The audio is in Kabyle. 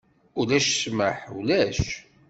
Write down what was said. Ulac ssmaḥ, ulac!